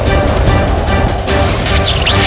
aku akan menangkapmu